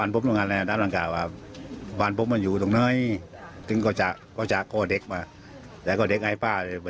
พ่อของไนนัทบอกว่าหลังเกิดเหตุ